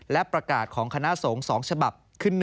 และประกาศของคณะสงฆ์๒ฉบับ